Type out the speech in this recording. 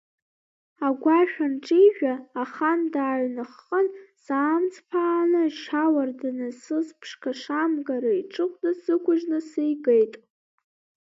Агәашә анҿижәа, ахан дааҩнаххын, саамҵԥааны, ашьауардын асыс ԥшқа шамгара, иҽыхәда сықәжьны сигеит.